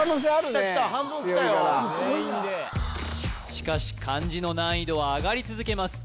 すごいなしかし漢字の難易度は上がり続けます